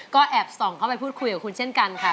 ก็แอบส่องเข้าไปพูดคุยกับคุณเช่นกันค่ะ